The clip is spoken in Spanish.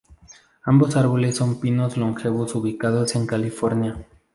Ambos árboles son pinos longevos ubicados en California.